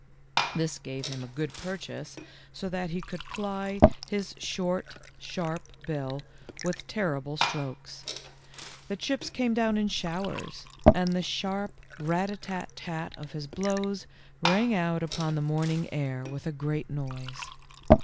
This gave him a good purchase so that he could ply his short, sharp THE GALLOPING HESSIAN 27 bill with terrible strokes. The chips came down in showers, and the sharp rat a tat tat of his blows rang out upon the morning air with a great noise.